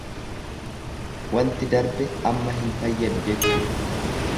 Wanti darbe amma hin fayyadu jechuudha.